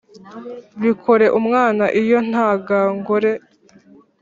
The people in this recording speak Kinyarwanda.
bikore umwana iyo ntangangore